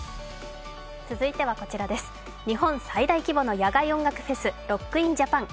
日本最大規模の野外音楽フェス・ロッキンジャパン。